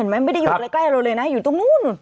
ไม่ได้อยู่ใกล้เราเลยนะอยู่ตรงนู้น